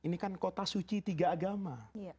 ini kan kota suci tiga agama